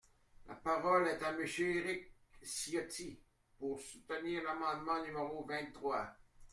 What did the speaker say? La parole est à Monsieur Éric Ciotti, pour soutenir l’amendement numéro vingt-trois.